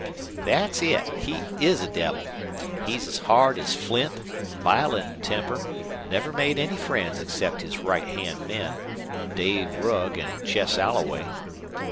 "Thet's it. He is a devil. He's as hard as flint, violent in temper, never made any friends except his right hand men, Dave Rugg an' Chess Alloway.